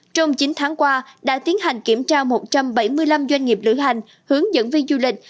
trong chín tháng qua đã tiến hành kiểm tra một trăm bảy mươi năm doanh nghiệp lữ hành hướng dẫn viên du lịch